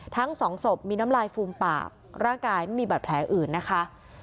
ทั้งสองศพมีน้ำลายฟูมปากร่างกายไม่มีบัตรแผลอื่นนะคะ